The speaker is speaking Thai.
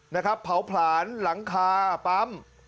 นะครับเผาผลานหลังคาปั๊ม